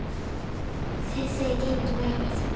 先生元気ないでしょ？